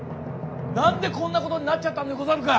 何でこんな事になっちゃったんでござるか？